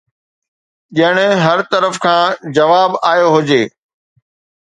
ڄڻ هر طرف کان جواب آيو هجي